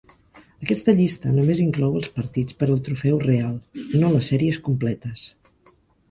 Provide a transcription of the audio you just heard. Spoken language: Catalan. Aquesta llista només inclou els partits per al trofeu real, no les sèries completes.